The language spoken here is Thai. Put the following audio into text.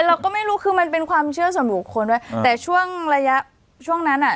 เราก็ไม่รู้คือมันเป็นความเชื่อส่วนบุคคลด้วยแต่ช่วงระยะช่วงนั้นอ่ะ